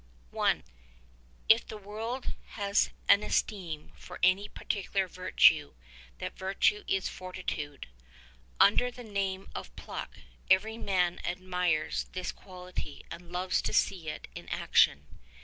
I. I F the world has an esteem for any particular virtue, that virtue is fortitude. Under the name of pluck every man admires this quality and loves to see it in action.